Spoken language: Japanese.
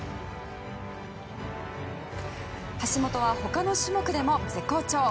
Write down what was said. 橋本は他の種目でも絶好調。